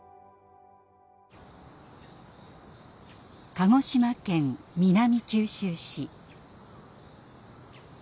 鹿児島県南九州市。